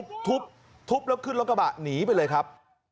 ทุบทุบแล้วขึ้นรถกระบะหนีไปเลยครับ